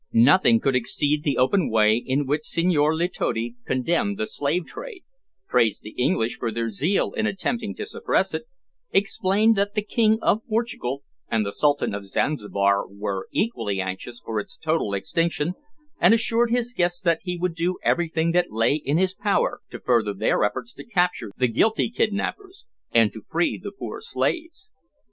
Nothing could exceed the open way in which Senhor Letotti condemned the slave trade, praised the English for their zeal in attempting to suppress it, explained that the King of Portugal and the Sultan of Zanzibar were equally anxious for its total extinction, and assured his guests that he would do everything that lay in his power to further their efforts to capture the guilty kidnappers, and to free the poor slaves!